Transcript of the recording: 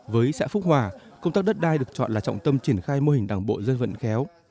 với xã phúc hòa công tác đất đai được chọn là trọng tâm triển khai mô hình đảng bộ dân vận khéo